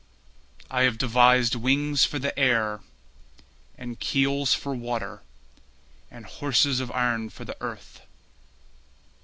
I have devised wings for the air, And keels for water, And horses of iron for the earth.